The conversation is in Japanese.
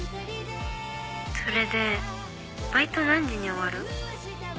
それでバイト何時に終わる？